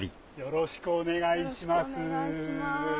よろしくお願いします。